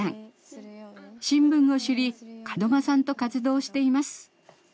新聞を知り門間さんと活動しています。